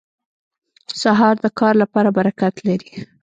سهار د کار لپاره برکت لري.